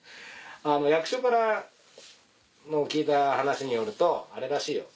役所からの聞いた話によるとあれらしいよ。